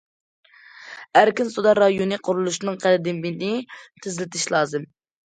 ئەركىن سودا رايونى قۇرۇلۇشىنىڭ قەدىمىنى تېزلىتىش لازىم.